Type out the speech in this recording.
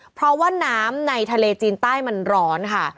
เพราะว่าน้ำในทะเลจีนใต้มันร้อนค่ะ